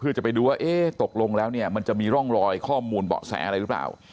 เพื่อจะไปดูว่าเอ๊ะตกลงแล้วเนี่ยมันจะมีร่องรอยข้อมูลเบาะแสอะไรหรือเปล่า